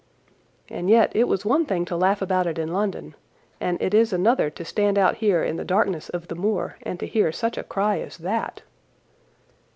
"And yet it was one thing to laugh about it in London, and it is another to stand out here in the darkness of the moor and to hear such a cry as that.